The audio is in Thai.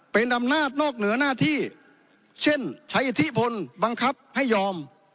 เป็นอำนาจนอกเหนือหน้าที่เช่นใช้อิทธิพลบังคับให้ยอม